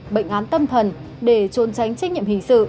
bệnh án tâm thần để trôn tránh trách nhiệm hình sự